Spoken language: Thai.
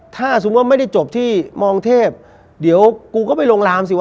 ถ้าสมมุติว่าไม่ได้จบที่มองเทพเดี๋ยวกูก็ไปลงรามสิว